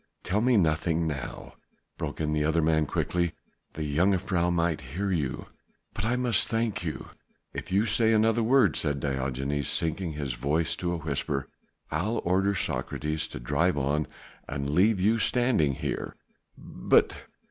tell me nothing now ..." broke in the other man quickly, "the jongejuffrouw might hear." "But I must thank you " "If you say another word," said Diogenes, sinking his voice to a whisper, "I'll order Socrates to drive on and leave you standing here." "But...."